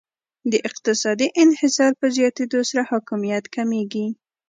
د اقتصادي انحصار په زیاتیدو سره حاکمیت کمیږي